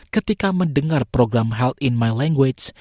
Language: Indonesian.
ketika mendengar program health in my language